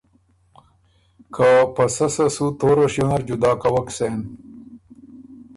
که په سۀ سۀ سُو توره شیو نر جدا کوَک سېن